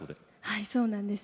はいそうなんです。